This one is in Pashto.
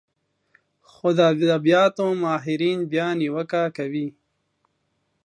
خو د ادبياتو ماهرين بيا نيوکه کوي